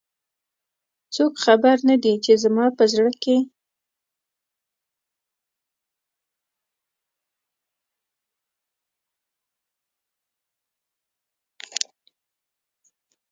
څوک خبر نه د ی، چې زما په زړه کې